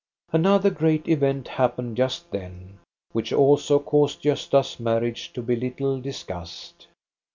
Another great event happened just then, which also caused Gosta's marriage to be little discussed.